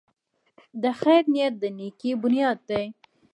د خیر نیت د نېکۍ بنیاد دی.